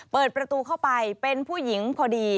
เปิดประตูเข้าไปเป็นผู้หญิงพอดี